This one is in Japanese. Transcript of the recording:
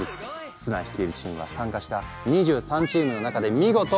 スラン率いるチームは参加した２３チームの中で見事トップで完走！